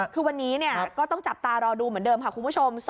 คือวันนี้ก็ต้องจับตารอดูเหมือนเดิมค่ะคุณผู้ชม